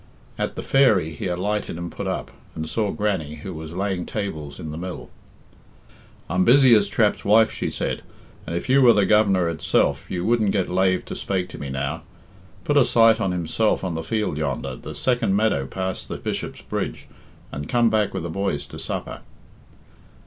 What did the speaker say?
At the "Fairy" he alighted and put up, and saw Grannie, who was laying tables in the mill. "I'm busy as Trap's wife," she said, "and if you were the Govenar itself you wouldn't get lave to spake to me now. Put a sight on himself on the field yonder, the second meadow past the Bishop's bridge, and come back with the boys to supper."